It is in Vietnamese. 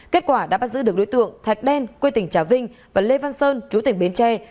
kết quả đã bắt giữ được đối tượng thạch đen quê tỉnh trà vinh và lê văn sơn chú tỉnh bến tre